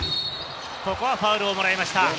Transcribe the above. ここはファウルをもらいました。